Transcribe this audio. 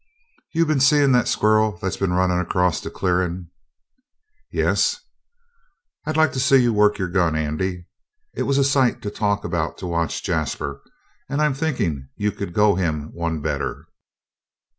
"You been seein' that squirrel that's been runnin' across the clearin'?" "Yes." "I'd like to see you work your gun, Andy. It was a sight to talk about to watch Jasper, and I'm thinkin' you could go him one better.